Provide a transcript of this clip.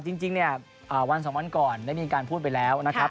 จริงเนี่ยวันสองวันก่อนได้มีการพูดไปแล้วนะครับ